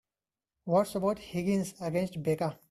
What about Higgins against Becca?